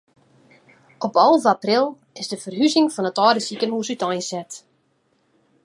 Op alve april is de ferhuzing fan it âlde sikehûs úteinset.